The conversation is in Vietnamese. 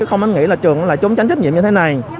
không anh nghĩ là trường lại trốn tránh trách nhiệm như thế này